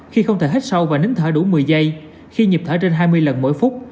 khi không thể hít sâu và nín thở đủ một mươi giây khi nhịp thở trên hai mươi lần mỗi phút